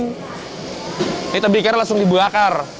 ini tembikar langsung dibakar